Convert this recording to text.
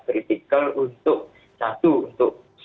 critical untuk satu untuk